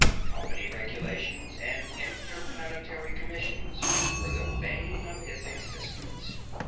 Company regulations and interplanetary commissions were the bane of his existence.